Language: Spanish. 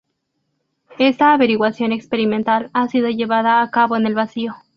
Esta averiguación experimental ha sido llevada a cabo en el vacío.